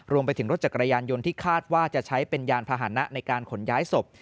รวมไปถึงรถจักรยานยนต์ที่คาดว่าจะใช้เป็นยานพาหนะในการขนย้ายศพ